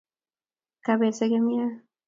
Kapela segemiat